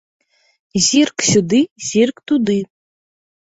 Зірк сюды, зірк туды.